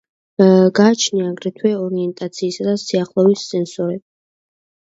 გააჩნია აგრეთვე ორიენტაციისა და სიახლოვის სენსორები.